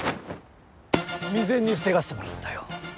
未然に防がせてもらったよ。